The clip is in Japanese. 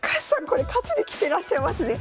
これ勝ちにきてらっしゃいますね。